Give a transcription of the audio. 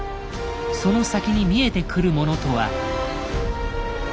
その先に見えてくるものとは。